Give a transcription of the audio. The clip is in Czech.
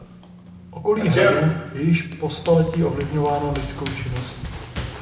Okolí hradu je již po staletí ovlivňováno lidskou činností.